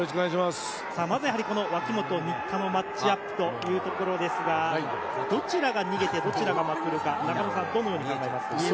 まずは脇本、新田のマッチアップというところですが、どちらが逃げて、どちらがまくるか、どのように見えますか？